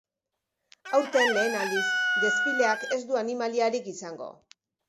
Aurten lehen aldiz, desfileak ez du animaliarik izango.